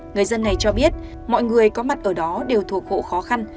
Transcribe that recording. người dân này cho biết mọi người có mặt ở đó đều thuộc hộ khó khăn